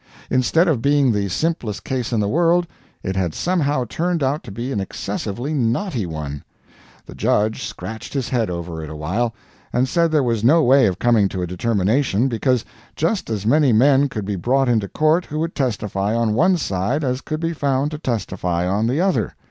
Instead of being the simplest case in the world, it had somehow turned out to be an excessively knotty one. The judge scratched his head over it awhile, and said there was no way of coming to a determination, because just as many men could be brought into court who would testify on one side as could be found to testify on the other.